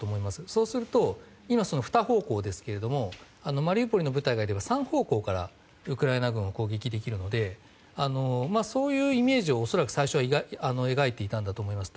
そうすると今２方向ですけれどもマリウポリの部隊がいれば３方向からウクライナ軍を攻撃できるのでそういうイメージを恐らく最初は描いていたんだと思います。